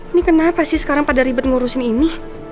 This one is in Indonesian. ini kenapa sih sekarang pada ribet ngurusin ini